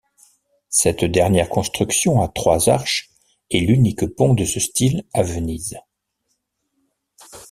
Cette dernière construction à trois arches est l'unique pont de ce style à Venise.